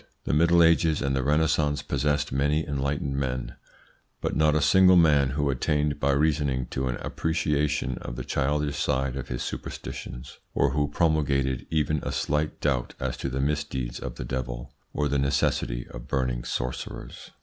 The Middle Ages and the Renaissance possessed many enlightened men, but not a single man who attained by reasoning to an appreciation of the childish side of his superstitions, or who promulgated even a slight doubt as to the misdeeds of the devil or the necessity of burning sorcerers.